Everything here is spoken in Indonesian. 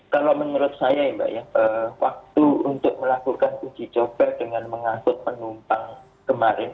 kalau menurut saya ya mbak ya waktu untuk melakukan uji coba dengan mengangkut penumpang kemarin